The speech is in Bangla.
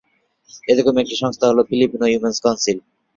এরকম একটি সংস্থা হল ফিলিপিনো উইমেনস কাউন্সিল।